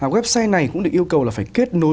website này cũng được yêu cầu là phải kết nối